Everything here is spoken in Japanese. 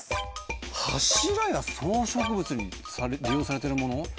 柱や装飾物に利用されてるもの？